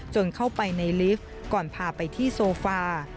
เข้าไปในลิฟต์ก่อนพาไปที่โซฟา